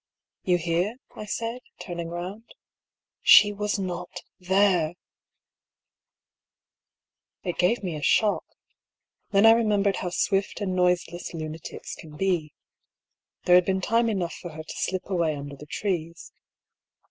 " You hear ?" I said, turning round. She was not there I EXTRACT FROM DIARY OP HUGH PAULL. 4,7 It gave me a shock. Then I remembered how swift and noiseless lunatics can be. There had been time enough for her to slip away under the trees.